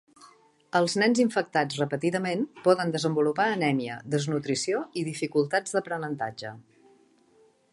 Els nens infectats repetidament poden desenvolupar anèmia, desnutrició i dificultats d'aprenentatge.